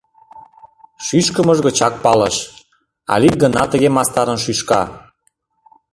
Шӱшкымыж гычак палыш: Алик гына тыге мастарын шӱшка.